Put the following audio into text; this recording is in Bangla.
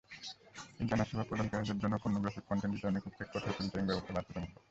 ইন্টারনেট সেবা প্রদানকারীদের জন্য পর্নোগ্রাফিক কনটেন্ট বিতরণের ক্ষেত্রে কঠোর ফিল্টারিং ব্যবস্থা বাধ্যতামূলক।